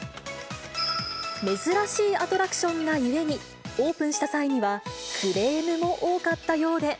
珍しいアトラクションがゆえに、オープンした際には、クレームも多かったようで。